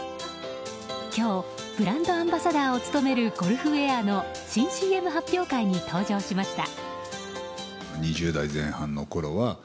今日ブランドアンバサダーを務めるゴルフウェアの新ＣＭ発表会に登場しました。